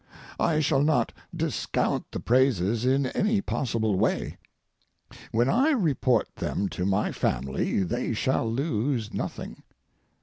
I shall not discount the praises in any possible way. When I report them to my family they shall lose nothing.